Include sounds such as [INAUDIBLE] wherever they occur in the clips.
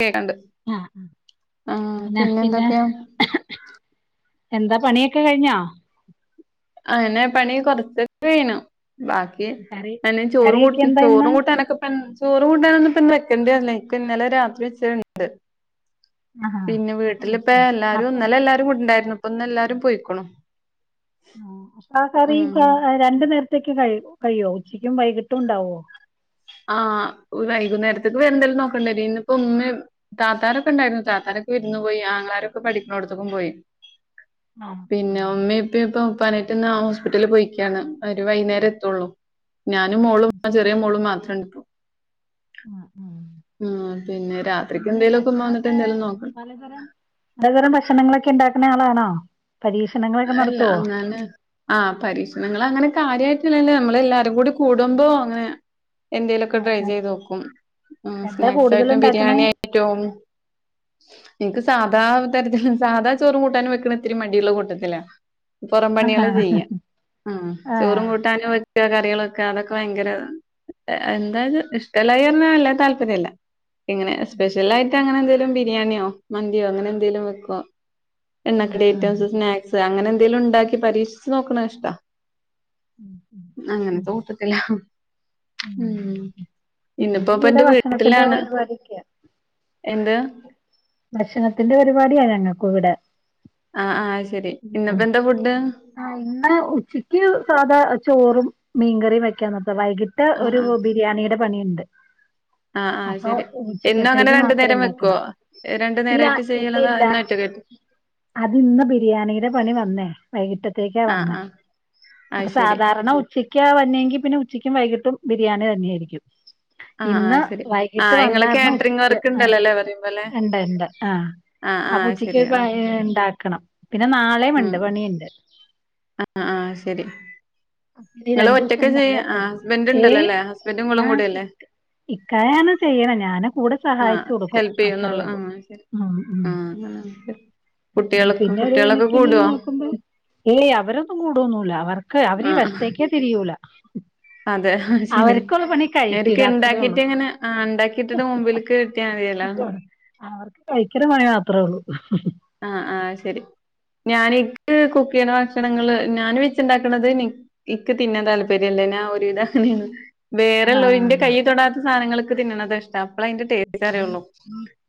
കേക്കണ്ട് ആഹ് ആഹ് പിന്നെ പിന്നെ പിന്നെന്തൊക്കെയാ- എന്താ പണിയെക്കെ കഴിഞ്ഞോ? അങ്ങനെ പണി കൊറച്ചൊക്കെ കയിഞ്ഞു- ബാക്കി കറി പിന്ന ചോറും കറിയൊക്കെ കൂട്ട എന്താ ഇന്ന് ചോറും കൂട്ടാനൊക്കെ പൻ ചോറ് കൂട്ടാനൊന്നും ഇപ്പം വെക്കേണ്ടിയില്ല ഒക്കെന്നലെ രാത്രി വെച്ചത്ണ്ട്- ആഹാ പിന്നെ അത് വീട്ടിലിപ്പ ശരി എല്ലാരും അപ്പൊ ഇന്നലെല്ലാരും കൂടിണ്ടായിരുന്നു- പ്പെന്നെല്ലാരും പൊയ്ക്കണു- ആഹ് കറിം ച രണ്ടു നേര ത്തേക്ക് കഴി കഴിയോ ഉച്ചക്കും വൈകിട്ടുണ്ടാവോ? ആഹ് വൈകുന്നേരത്തേക്ക് വേറെന്തേലും നോക്കേണ്ടരും ഇന്നിപ്പ ഉമ്മയും താത്താരൊക്കെണ്ടായിരുന്നു താത്താരൊ- ക്കെ വിരുന്ന്പോയി ആങ്ങളാരൊക്കെ പഠിക്കണോടത്തിക്കും പോയി ആഹ് പിന്നെ ഉം ഉമ്മയും ഉപ്പയും പ്പോ- പനിയായിട്ട്ന്ന് ഹോസ്പിറ്റലി പോയിക്കാണ് അവര് വൈന്നേരെത്തുള്ളൂ- ഞാനും മോളും അത് ശരി ചെറിയ മോളും മാത്രേണ്ട്പ്പോ- ആഹ് ആഹ് - ഉം പിന്നെ രാത്രിക്കെന്തേലൊക്കെ ഉമ്മ വന്നിട്ട് എന്തേലും നോക്കണം- പലതരം പലതരം ഭക്ഷണങ്ങളൊക്കെ ഇണ്ടാക്കുന്ന ആളാണോ? പരീക്ഷണങ്ങളൊക്കെ അല്ല നടത്തുവോ അങ്ങനെ ആഹ് പരീക്ഷണങ്ങളങ്ങനെ കാര്യായിട്ട്- അങ്ങനില്ല നമ്മളെല്ലാരും കൂടി കൂടുമ്പോ അങ്ങനെ എന്തേലൊക്കെ ആഹ് ട്രൈ ആഹ് ചെയ്ത് നോക്കും- ഉം എന്താ കൂടുതൽ സ്നാക്സായിട്ടും ഉണ്ടാക്കണേ ബിരിയാണിയായിട്ടും- എനിക്ക് സാധാ തരത്തില് സാധാ ചോറും കൂട്ടാനും വെക്കണ ഇത്തിരി മടിയുള്ള കൂട്ടത്തില- പൊറം ആഹാ പണികള് ചെയ്യാ ഉം ആഹ് ചോറും കൂട്ടാനും വെക്കൊക്കെ- ണികളൊക്കെ അതൊക്കെ ഭയങ്കര എന്താത് ഇഷ്ടല്ലായി പറഞ്ഞാ വല്യ താല്പര്യില്ല- ഇങ്ങനെ സ്പെഷ്യലായിട്ടങ്ങനെ എന്തെലും ബിരിയാണിയോ മന്തിയോ അങ്ങനെന്തേലും വെക്കോ- ആഹ് എണ്ണക്കടി ആഹ് ഐറ്റംസ് സ്നാക്സ് അങ്ങനെ എന്തെങ്കിലുണ്ടാക്കി പരീക്ഷിച്ച് നോക്കണതിഷ്ടാ- ഉം ഉം ഇന്ന് അങ്ങന ഉം തോട്ടത്തിലാ ഉം ഇന്ന്പ്പോ ഞങ്ങള് ഇവിടെ ഇപ്പെന്റെ ഭക്ഷണത്തിന്റെ വീട്ടിലാണ് പരിപാടിക്കാ എന്തെ ഭക്ഷണത്തിന്റെ പരിപാടിയാ ഞങ്ങക്കൂവിടെ ആഹ് ആ ആ ഇന്ന് ഉച്ചക്ക് സാധാ ചോറും മീൻകറിം വെക്കാം നോക്കാം വൈകിട്ട് ആഹ് ഒരു ആഹ് ബിരിയാണിയുടെ പണിയുണ്ട് ആഹ് ആഹ് അപ്പൊ ശെരി എന്നും അങ്ങനെ ഉച്ചക്കത്തേക്ക് മാത്രം രണ്ടുനേരം വെക്കുവോ ഇണ്ടാക്കണം ഇല്ല രണ്ടുനേരായിട്ട് ഇല്ല ചെയ്യ്ണതാ ഇല്ല എന്നട്ട് വെക്കും അതിന്ന് ബിരി രിയാണിയുടെ പണി വന്നേ വൈകിട്ടത്തേക്കാ ആഹ് വന്നെ ആഹ് അപ്പൊ അത് ശരി സാധാരണ ഉച്ചക്കാ ച്ചക്കാ വന്നേങ്കിൽ പിന്നെ ഉച്ചക്കും വൈകിട്ടും ബിരിയാണി തന്നെയായിരിക്കും ആഹ് ഇന്ന് ആഹ് ശരി വൈകിട്ട് ആഹ് ഇങ്ങള് വന്നായിരുന്നു കാറ്ററിംഗ് ഉച്ചക്ക് വർക്ക് ആ ഉണ്ടല്ലോല്ലേ പറയുമ്പോലെ ഇണ്ട് ഇണ്ട് ആഹ് ആഹ് ആഹ് അപ്പുച്ചിക്ക് ശരി ഒരു വകേണ്ടാക്കണം പിന്നെ നാളെയ്ണ്ട് ഉം പണിയുണ്ട് ആഹ് ആഹ് ശരി അപ്പിനി ഇങ്ങള് ഒറ്റക്ക് രണ്ടുസം നല്ല ചെയ്യ ആഹ് തെരക്ക് ഹസ്ബൻഡ് ഏഹ് ഉണ്ടല്ലോല്ലേ ഹസ്ബൻഡും ഇങ്ങളും ആ കൂടിയല്ലേ ഇക്കായാണ് ചെയ്യണെ ഞാന് കൂടെ ആഹ് സഹായിച്ചു കൊടുക്കും ഹെൽപ് ചെയ്യുന്നുള്ളൂ അത്രേയുള്ളൂ ആഹ് ശരി ഉം ഉം ആഹ് അങ്ങനാവുമ്പം കുട്ടികൾക്കും പിന്നെ ഒരു കുട്ടികളൊക്കെ കണക്കിന് കൂടുവോ നോക്കുമ്പോ ഏയ് അവരൊന്നും കൂടോന്നു ല അവർക്ക് അവരീ ആഹ് വശത്തേക്കേ തിരിയൂല അതെ അത്ശെരി അവർക്കുള്ള പണി കഴിക്കുക ഇടക്ക് അത്രേ ഉള്ളൂ ഇണ്ടാക്കിട്ടങ്ങനെ ആ ഇണ്ടാക്കിട്ടിട്ട് മുമ്പില്ക്കിര്ത്തിയാ അവർക്ക് കഴിക്ക്ണ പണി മാത്രേള്ളൂ ആ ആ ശെരി ഞാനിക്ക് കുക്കെയ്യ്ണ ഭക്ഷണങ്ങള് ഞാൻ വെച്ച്ണ്ടാക്ക്ണത് നിക്ക് ഇൻക്ക് തിന്നാൻ താല്പര്യല്ല പിന്നെ ഒരുവിധം അങ്ങനെണ് വേറെള്ളോല് ഇന്റെ ആഹ് കയ്യ് തൊടാത്ത സാധനങ്ങള് ക്ക്തിന്ന്ണതാ ഇഷ് ട്ടം അപ്പള ഐന്റെ ടേസ്റ്ററിള്ളൂ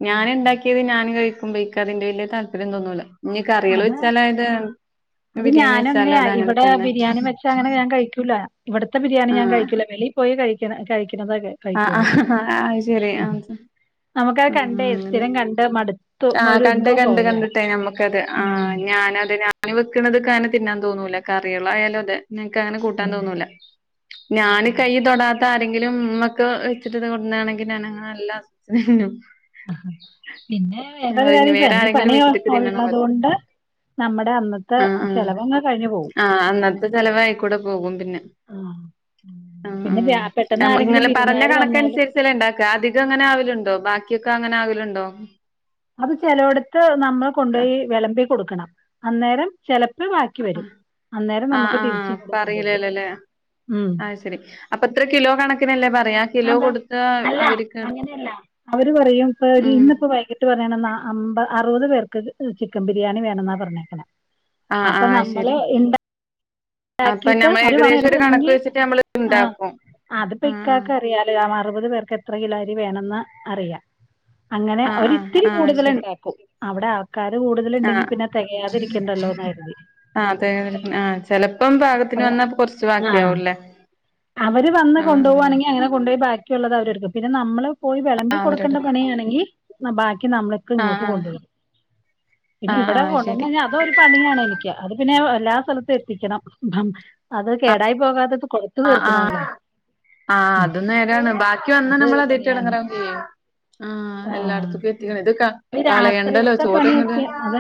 ഞന്ണ്ടാക്കിയത് ഞാന് കഴിക്കുമ്പോ ക്കതിന്റെ വല്യ താല്പര്യം തോന്നൂല ഇഞ്ഞി കറികള് അത് വെച്ചാല് അത് അത് ഞാനും അങ്ങനെയ അങ്ങനെ ഇവടെ തന്നെ ബിരിയാണി വെച്ചാ അങ്ങനെ ഞാൻ കഴിക്കൂല ഇവിട്ത്തെ ബിരിയാണി ഞാൻ ആഹ് കഴിക്കൂല വെളി പോയി കഴിക്ക് ണതെ ആഹ് കഴിക്കോളൂ ആഹ് അത് ശെരി ആ ആഹ് നമുക്കത് കണ്ടേ സ്ഥിരം കണ്ട് മട് ആ കണ്ട് കണ്ട് കണ്ടിട്ടേ നമ്മക്ക ത് ആ ഉം ഞാനത് ഞാന് വെക്കണത് ക്കങ്ങനെ തിന്നാൻ തോന്നൂല കറിളായാലും അതെ നിൻക്കങ്ങനെ കൂട്ടാ ഉം തോന്നൂല ഞാന് ഉം. കയ്യ് തൊടാ ത്ത ആരെങ്കിലും ഇമ്മക്കെവെച്ചിട്ട് കൊട്ന്നാണെങ്കില് ഞാന് നല്ലാസ്വദിച്ച് തിന്നും ആ പി ന്നെ ഞാൻ വേറൊരു പറയും ഇനി കാര്യം വേറെ പനി ആരെങ്കിലും പണി വെച്ചിട്ട് ഇക്ക് ഒള്ളതോണ്ട് നമ്മടെ അന്ന ആ ആ ആ അന്നത്തെ ചെലവയ്ക്കൂടെ പോകും പിന്നെ ആ. ഉം പിന്നെ ഉം വ്യാ- പെട്ടെന്ന് ആരെങ്കിലും നമക്ക്ങ്ങനെ പറഞ്ഞ വിരുന്നുകാര് വന്നാലും കണക്കൻസരിച്ചല്ലെ ഇണ്ടാക്ക അധികങ്ങനെ ആവല്ണ്ടോ ബാക്കിക്കെ അങ്ങനെ ആകല്ണ്ടോ അത് ചെലോട്ത്ത് നമ്മള് കൊണ്ടോയി വെളമ്പി കൊടുക്കണം അന്നേരം ചെല പ്പം ബാക്കി വരും ആഹ് അന്നേരം നമുക്ക് തിരിച്ച് ഇങ്ങട് കൊണ്ടെരും ആഹ് ശെരി അപ്പ ഇത്ര കിലോ കണ കിലോ അതെ കൊടുത്ത് അല്ല അങ്ങനെയല്ല അവര് പറയും പ്പൊ ഉം ഇന്ന്പ്പോ വൈകീട്ട് പറയാണ് നാ അമ്പ അറുപത് പേർക്ക് ചിക്കൻ ബിരിയാണി വേണന്നാ പറഞ്ഞേക്ക്ണേ ആഹ് അപ്പ ആഹ് അത് നമ്മള് ശരി ഇ അപ്പൊ ണ്ടാക്കീട്ട് ഞമ്മള് ഏകദേശം ഒരു കണക്ക് വെച്ചിട്ട് നമ്മള് [UNINTELLIGIBLE] ഇണ്ടാക്കും അതിപ്പോ ആഹ് ഇക്കാക്കറിയാലോ ആ അറുപത് പേർക്ക് എ ത്ര കിലോ അരി വേണന്ന് അറിയ അങ്ങനെ ആഹ് ആഹ് ഒരിത്തിരി കൂടുതല്ണ്ടാക്കും അവിടെ ആൾക്കാര് ആ കൂടുതലുണ്ടെങ്കിൽ പിന്നെ തികയാതിരിക്കണ്ടല്ലോ എന്ന് കരുതി ആ അതെ ചെലപ്പോ പാകത്തിന് വന്നപ്പ കൊർച്ച് ആ ബാക്കിയാവൂലെ അവര് വന്ന് കൊണ്ടോവാണെങ്കില് അങ്ങനെ കൊണ്ടോയി ബാക്കിയുള്ളത് അവരെട്ക്കും പിന്നെ നമ്മള് പോയി വെളമ്പി ആഹ് കൊടുക്കേണ്ട അവരെടുക്കും പണിയാണെങ്കി ബാക്കി നമ്മളൊക്കെ ആഹ് ഇങ്ങോട്ട് ആഹ് കൊണ്ടരും പിന്നെ ആഹ് ഇവടെ ആഹ് ശരി കൊണ്ടന്നയ്ഞ്ഞ അതൊരു പണിയാണെനിക്ക് പിന്നെ എല്ലാ സ്ഥലത്തും എത്തിക്കണം അത് കേടായി പോകാതെ ഇത് കൊട്ത്ത് ആഹ് തീർക്കണല്ലേ ആഹ് ആഹ് അത് നേരാണ് ബാക്കി വന്നാ അത് നമ്മള് ഒരു അതേറ്റ പണിയാണ് എടങ്ങേറാവെചെയ്യും ആഹ് ആ എല്ലായിടത്ത്ക്കും എത്തിക്കണം ഇത് ക ഈ കളയണ്ടല്ലോ രാത്രിയിലത്തെ ചോറ്ങ്ങട് പണിയൊക്കെ അത്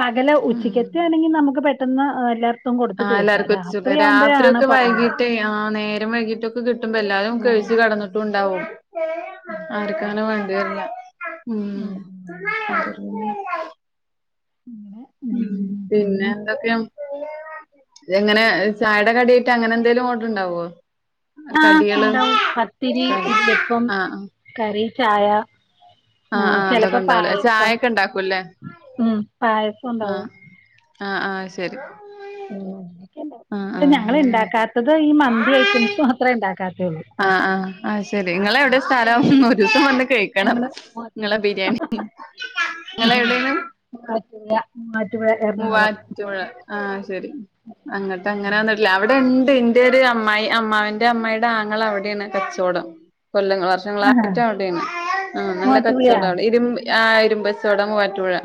പകല് ഉച്ചക്കെത്താണെങ്കില് നമുക്ക് പെട്ടെന്ന് എല്ലാർക്കും ആഹ് എല്ലാർക്കും എത്തിച്ച് കൊട്ക്കാ രാത്രിഒക്കെ പാട് വൈകീട്ട് ആ നേരം വൈകിട്ടൊക്കെ കിട്ടുമ്പോ എല്ലാരും ഉം. കഴ്ച്ച് കെടന്നിട്ടുണ്ടാവും അതാണ് പാട് ആർക്കുങ്ങനെ വേണ്ടി വരില്ല ഉം അങ്ങനെ ഉം പി- പിന്നെ എന്തൊക്കെയാ എങ്ങനെ ചായടെ കടി ആയിട്ട് അങ്ങനെ എന്തേലും ഓടറ്ണ്ടാവോ ആഹ് ഇണ്ടാവും പത്തിരി, ആഹ് ഇടിയപ്പം, ആഹ് കറി ചായ ആഹ് ആ ആഹ് അതൊക്കെ ചെലപ്പോ ഉണ്ടാവൂലേ പായസം ചായൊക്കെ ഉണ്ടാക്കൂല്ലേ ഉം പായസം ആഹ് ഒണ്ടാവും ആഹ് ആഹ് ശരി ഒക്കെ ആഹ് ഇണ്ടാവും ആഹ് ഞങ്ങള് അങ്ങനെ ഇണ്ടാക്കാത്തത് ഈ മന്തി ഐറ്റംസ് മാത്രേ ഇണ്ടാക്കാത്തേള്ളൂ ആഹ് ആഹ് ആഹ് ശരി ഇങ്ങളെവിടെ സ്ഥലം എല്ലാം ഇണ്ടാക്കും ഒരുസം വന്ന് കഴിക്കണം ഞങ്ങള് ഇങ്ങളെ മൂവാറ്റുപുഴ ബിരിയാണി നിങ്ങളെവിടെയാണ് [UNINTELLIGIBLE] എറണാകുളം മൂവാറ്റുപുഴ ആഹ് ശെരി അങ്ങട്ട് അങ്ങനെ വന്നിട്ട്ല്ല അവിടെ ഇണ്ട് ഇന്റൊരു അമ്മായി അമ്മാവന്റെ അമ്മായിടെ ആങ്ങള അവിടെണ് കച്ചോടം കൊല്ലങ്ങൾ ആഹാ വർഷങ്ങളായിട്ട് അവിടെണ് ആ നല്ല മൂവാറ്റുപുഴയാ കച്ചവടം അവിടെ ഇരുമ്പ് ആ ഇരുമ്പചോടാം പോവാറ്റൂപുഴ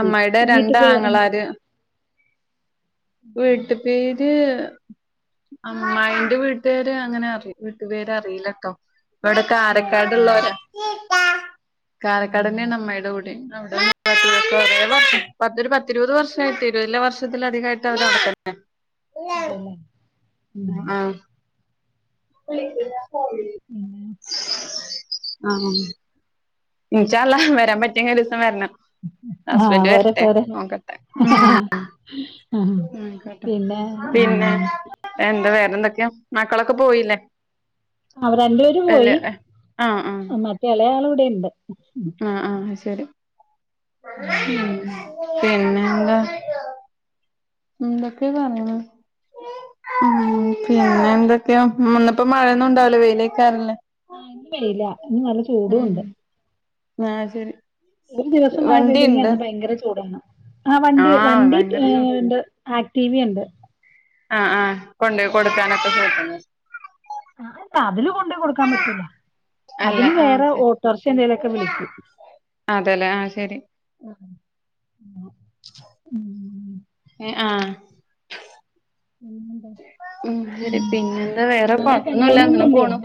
അമ്മായിടെ വീട്ടിക്ക് ഉം രണ്ടാങ്ങളാര് വീട്ട്തെ ഇജ് അമ്മായിന്റെ വീട്ടുകാര് അങ്ങനെ അറി വീട്ടു പേര് അറിയില്ലട്ടോ ഇവിടെ ഉം കാരക്കാട്ള്ളോരാ ആഹ് കാലക്കാടന്നെയാണ് അമ്മയുടെ അവിടെയും അവിടെ ഒന്നും [UNINTELLIGIBLE] പത്തി പത്തി ഇരുപത് വർഷയി ഇരുപതിലെ വർഷത്തിലധികമായിട്ട് അവര് അവിടെ തന്നെ അതല്ലേ ഉം വീണ്ടും ഞാൻ കളഞ്ഞു പിന്നെ ആ അ നിച്ചല്ല വരാൻ പറ്റിയങ്കി ഒരു ദിവസം വരണം ആഹ് ഹസ്ബന്ഡ് പോരെ വരട്ടെ പോരെ നോക്കട്ടെ മൂ ആഹ് ഉ കേട്ടോ പിന്നെ പിന്നെ ആഹ് എന്താ വേറെന്തൊക്കെയ മക്കളൊക്കെ പോയില്ലേ അവര് രണ്ടുപേരു വല്യ പോയി ആഹ് ആഹ് മറ്റേ ഇളയാള് ഇവിടെണ്ട് വരും ഉം മൂ പിന്നെന്താ എന്തൊക്കെ പറേണെ ഉ പിന്നെ എന്തൊക്കെയ ഇന്നിപ്പോ മഴയൊന്നും ഉണ്ടാവല വെയിലേക്കാറല്ലേ ആ ഇന്ന് വെയില ഇന്ന് നല്ല ചൂട ഉണ്ട് ആ ശരി ഒരു ദിവസം മഴ പെയ്തിങ്ങ വണ്ടിയുണ്ട് അന്ന് ഭയങ്കര ചൂടാണ് ആ വണ്ടി ആഹ് വണ്ടി ഭയങ്കര ചൂ ഏണ്ട് ആക്ടിവ ഉണ്ട് ആ ആ കൊണ്ടയി കൊടുക്കാനൊക്കെ സൂപ്പെറാ ആ അതില് കൊണ്ട കൊടുക്കാൻ പറ്റൂല അല്ല അതിന് ആഹ് വേറെ ശരി ഓട്ടോർശാ എന്തേലൊക്കെ വിളിക്കും ആ ശരി ഉം ഏ ആ പിന്നെന്താ ഉ ശരി ഉം പിന്നെന്താ വേറെ നാളെ കുഴൊപ്പോന്നുല്ല കല്യാണം അങ്ങനെ ഒന്നുല്ലേ പോണു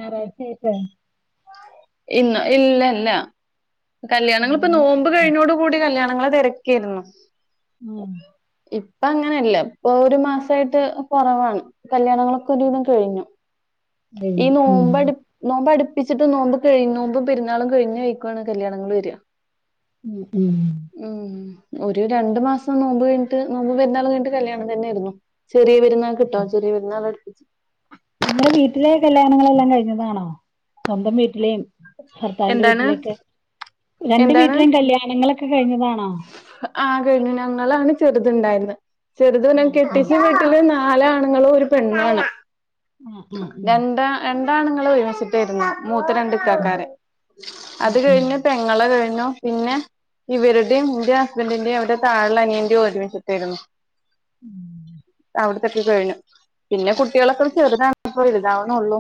[UNINTELLIGIBLE] ഇന്ന് ഇല്ല ഇല്ല കല്യാണം നിങ്ങിപ്പോ നോമ്പ് കല്യാണങ്ങളൊന്നുല്ലേ കഴിഞ്ഞോട കൂടി കല്യാണം ഞങ്ങൾ തെരക്കിയിരുന്നു മൂമ് ഇപ്പ അങ്ങനെയല്ല ഇപ്പ ഒരു മാസായിട്ട് കുറവാണ് കല്യാണങ്ങളൊക്കെ ഒരിതം കഴിഞ്ഞു ഈ കഴിഞ്ഞു ഉം നോമ്പടു നോമ്പടു പ്പിച്ചിട്ട് നോമ്പ് [UNINTELLIGIBLE] പെരുന്നാള കഴിഞ് കഴക്കുവാണ് കല്യാങ്ങൾ വരിക ഉം ഉം ഉം ഒരു രണ്ടു മാസം നോമ്പ് കഴിഞ്ഞിട്ട് നോമ്പ് പെരുന്നൾ കഴിട്ട് കല്യാണം തന്നെയായിയിരുന്നു ചെറിയ പെരുന്നാൾ കിട്ടാ ഉം ചെറിയ പെരുന്നാൾ അനു നിങ്ങളെ വീട്ടിലെ കല്യാണങ്ങളെല്ലാം കഴിഞ്ഞതാണോ സ്വന്തം വീട്ടിലെയും ഭർത്താവിന്റെ എന്താണ് വീട്ടിലേക്ക് രണ്ട് എന്താണ് വീട്ടിലെയും കല്യാണങ്ങളൊക്കെ കഴിഞ്ഞതാണോ ആ കഴിഞ്ഞു ഞങ്ങളാണ് ചെറുതുണ്ടായിരുന്നത് ചെറുത് ആഹ് കെട്ടിച്ച വീട്ടില്ല് നാലആണുങ്ങളും ഒരു പെണ്ണ് ആണ് ആഹ് ആഹ് ആഹ് രണ്ട് രാ ണ്ടാണ്ങ്ങൾ ഒരുവശത്തു വരുന്നേ മൂത്ത രണ്ട് ആഹ് ഇകക്കാരെ ഉം അത് ഉം ഉം കഴിഞ്ഞു പെങ്ങളെ കഴിഞ്ഞു പിന്നെ ഇവരുടെയും എന്റെ ഹസ്ബന്റിന്റെയും അവരുടെ താഴളന് അനിയന്റെയും ഒരുമിച്ചിട്ട് വരുന്നേ ഉം കൊടുത്തൊക്കെ ക് കഴിഞ്ഞു പിന്നെ കുട്ടികളൊക്കെ ചെറുതണപ്പോ വലുതാവുന്നുള്ളു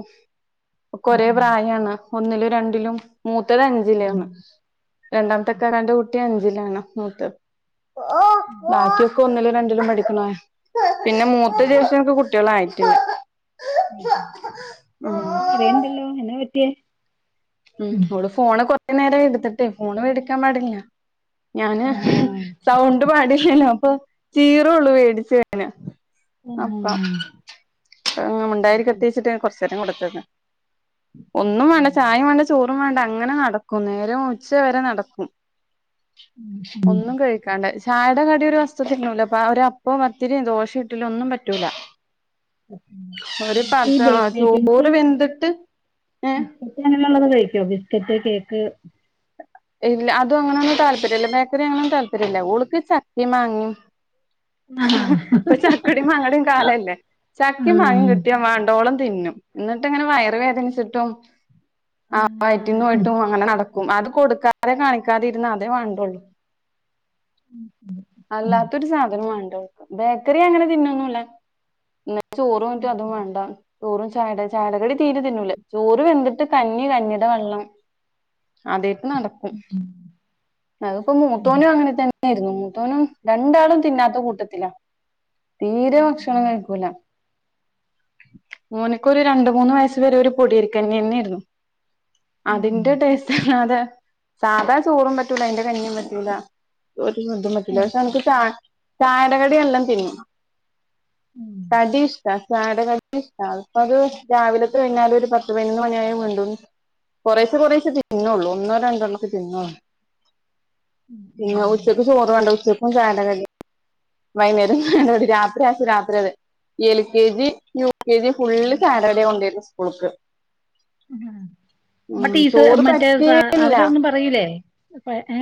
ഉം ക്ക്ഒരേ പ്രായാണ് ഒന്നിലും രണ്ടിലും മൂത്തത് ഉം അഞ്ചിലാണ് ഉം രണ്ടാമത്തെക്കാരാൻന്റെ കുട്ടി അഞ്ചിലാണ് മൂത്തത് ഉം ബാക്കിയൊക്കെ ഒന്നിലും രണ്ടിലും പഠിക്കണ പിന്നെ മൂത്ത ചേച്ചിക്കെ കുട്ടികൾ ആയിടില്ല കൊച്ച് കാരയാണ്ടല്ലോ എന്നാ പറ്റിയേ ഉം ഇവിടെ ഫോണ് കൊറെ നേരം എടുത്തിട്ടേ ഫോണ് മേടിക്കാൻ പാടില്ല. ഞാന് ആഹ് സൗണ്ട് പാടില്ലല്ലോ അപ്പൊ ചീറൊള്ളൂ വേടിച്ചെ ന് അപ്പം ആഹ് അത് മുണ്ടായി ശരി കത്തിച്ചിട്ട് കൊറച്ചേരം കൊടുത്തത്. ഒന്നും വേണ്ട ഉം ചായയും വേണ്ട ചോറും വേണ്ട അങ്ങനെ നടക്കും നേരം ഉച്ചവരെ നടക്കും. ഉം ഉം. ഒന്നും കഴിക്കാണ്ടേ. ചായയുടെ കടിയൊ ഒരു വസ്ത്തുത്തിന്നുല്ലപ്പ ആ ഒരപ്പവും പത്തിരിം ദോഷം ഇട്ലിംഒന്നും പറ്റൂല. ഒരു ഈ പത്ത് ബേക്കറി അയ്റ്റമ്സ് ചോറ് വെന്തിട്ട് ഏ ബിസ്ക്കറ്റ് അങ്ങനെള്ളത് കഴിക്കോ ബിസ്ക്കറ്റ് കേക്ക് ഇല്ല അതും അങ്ങനെ ഒന്നും താല്പര്യം ഇല്ല ബേക്കറി അങ്ങനെന്നും താല്പര്യ ഇല്ല ഓൾക്ക് ചക്കും മാങ്ങിം ആഹാ ഇപ്പൊ ചക്കടിയും മാങ്ങടയും കാലംല്ലേ ച കിം മാങ്ങിംയു ആഹ് കിട്ടിയാ മാണ്ടോളം തിന്നും ന്ന്ട്ട് ഇങ്ങനെ വയറ് വേദനിച്ചിട്ടും ആ വയറ്റിന്ന് ആഹ് പോയിട്ടും അങ്ങനെ നട അത് കൊടുക്കാതെ കാണിക്കാതിരുന്നാ അതേ വാണ്ടുള്ളൂ മ് മാണ്ട ബേക്കറി അങ്ങനെ തിന്നൊന്നും ഇല്ല ന്ന് ചോറോയിട്ട് അതും വാണ്ട ചോറും ചായടെ ചായടെ കടി തീരെ തിന്നൂല ചോറ് വെന്തിട്ട് കഞ്ഞി കഞ്ഞിയടെ വള്ളം അതെ നടക്കും ഉം അത്പ്പോ ഉം മൂത്തോനും അങ്ങനെ തന്നെയായ്രുന്നു മൂത്തോനും രണ്ടാളും തിന്നാത്ത കൂട്ടത്തിലാ തീരെ ഭക്ഷണം ഉം, കഴിക്കൂല മോൻക്കൊരു രണ്ട് മൂന്ന് വയസ് വരെ ഒരു പൊടിരിയരി ക്കഞ്ഞി ന്നെയായിരുന്നു ഉം. അതിന്റെ ടേസ്റ്റ്ണ അതെ സാധാര ചോറും പറ്റൂല അയിന്റെ കഞ്ഞിം പറ്റൂല ചോറ്റിന്റെന്തും പറ്റൂല അത് പക്ഷെ ശരി നമക് ചാ ചായടെ കടിയെല്ലാം തിന്നും ഉം കടി ഇഷ്ട ചായടെ കടി ഇഷ്ടാ അത് രാവിലത്തെഴിഞ്ഞാലൊരു പത്ത് പയിനൊന്ന് മണിയായ വീണ്ടും കണ്ടുന്ന് കൊറേശേ കൊറേശേ തിന്നൊള്ളൂ ഒന്നോ രണ്ടോണ്ണാക്കെ തിന്ന്ളൂ ഉം പിന്നെ ഉം ഉച്ചക് ചോർ വേണ്ട ഉച്ചക്കും ചായടെ കടി വൈന്നേരം രാത്രിയായൊ രാത്രിയത് L K G U K G full സാലഡേ കൊണ്ടേർന്നേ സ്കൂൾക്ക് ഉം ആട്ടി സ് ചോറ് മറ്റേ സാ അവര് പറ്റേയില്ല ഒന്നും പറയൂലേ അപ്പ ഏ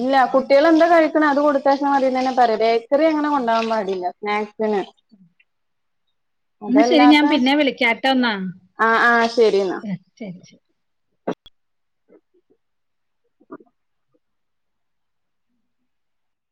ഇല്ല കുട്ടിയാൾ എന്താ കഴിക്കുന്നത് കൊടുത്തയ്ക്ക്നതി നന്നെ പറയും ബേക്കറി അങ്ങനെ കൊണ്ടാവാൻ പാടില്ല നാൻ തന്നെ [UNINTELLIGIBLE] എന്നാ ശരി അതല്ലാത്ത ഞാൻ പിന്നെ വിളിക്കാട്ടോ എന്നാ. ആ ആ ശെരിന്നാ ശരി ശരി [UNINTELLIGIBLE]